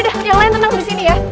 udah udah yang lain tenang di sini ya